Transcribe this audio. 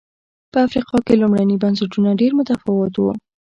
په افریقا کې لومړني بنسټونه ډېر متفاوت و.